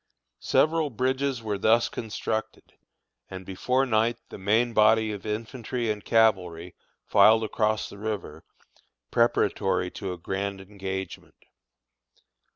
Several bridges were thus constructed, and before night the main body of infantry and cavalry filed across the river, preparatory to a grand engagement.